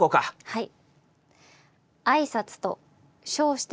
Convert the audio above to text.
はい。